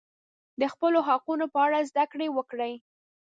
د خپلو حقونو په اړه زده کړه وکړئ.